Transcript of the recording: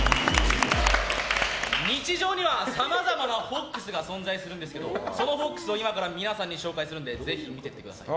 日常にはさまざまなフォックスが存在するんですけどそのフォックスを今から皆さんに紹介するんでぜひ見てってください。